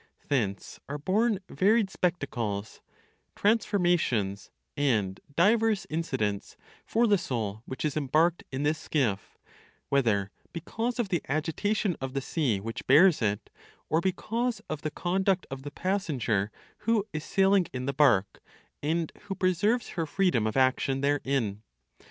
Thence are born varied spectacles, transformations and divers incidents for the soul which is embarked in this skiff; whether because of the agitation of the sea which bears it, or because of the conduct of the passenger who is sailing in the bark, and who preserves her freedom of action therein.